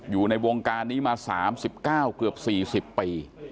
อยู่ในวงการนี้มา๓๙เกือบ๔๐ปี